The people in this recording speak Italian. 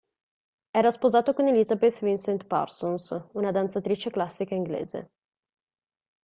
Era sposato con Elizabeth Vincent Parsons, una danzatrice classica inglese.